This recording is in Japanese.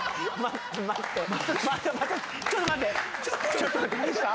ちょっと待って屁した？